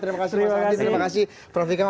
terima kasih mas anji terima kasih prof fikam